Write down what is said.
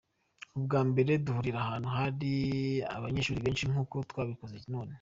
Ubwa mbere duhurira ahantu hari abanyeshuri benshi nk’uku twabikoze none.